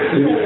tùy em thôi